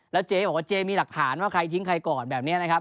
แล้วเจ๊บอกว่าเจ๊มีหลักฐานว่าใครทิ้งใครก่อนแบบนี้นะครับ